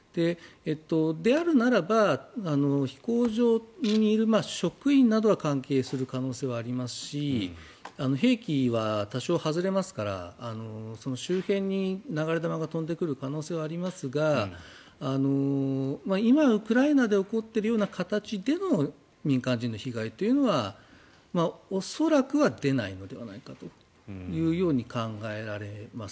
であるならば飛行場にいる職員などは関係する可能性がありますし兵器は多少、外れますからその周辺に流れ弾が飛んでくる可能性はありますが今、ウクライナで起こってるような形での民間人の被害というのは恐らくは出ないのではないかと感じます。